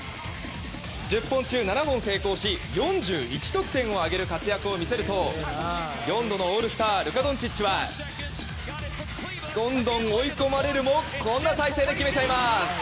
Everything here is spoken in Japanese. １０本中７本成功し４１得点を挙げる活躍を見せると４度のオールスタールカ・ドンチッチはどんどん追い込まれるもこんな体勢でも決めちゃいます。